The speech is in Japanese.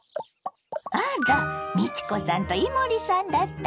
あら美智子さんと伊守さんだったの？